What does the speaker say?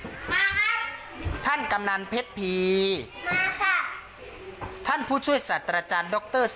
มาครับท่านกำนานเพศภรีมาค่ะท่านผู้ช่วยสัจแรกดร